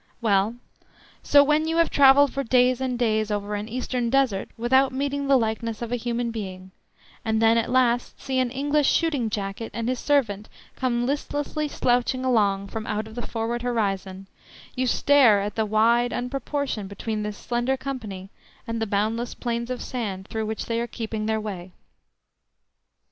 Well, so when you have travelled for days and days over an Eastern desert without meeting the likeness of a human being, and then at last see an English shooting jacket and his servant come listlessly slouching along from out of the forward horizon, you stare at the wide unproportion between this slender company and the boundless plains of sand through which they are keeping their way.